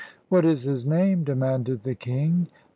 "What is his name?" demanded the king.